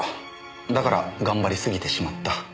だから頑張りすぎてしまった。